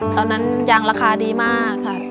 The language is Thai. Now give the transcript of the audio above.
ตอนนั้นยางราคาดีมากค่ะ